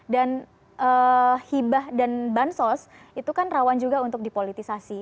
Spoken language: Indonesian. dan hibah dan bansos itu kan rawan juga untuk dipolitisasi